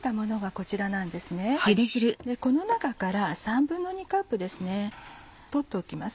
この中から２／３カップ取っておきます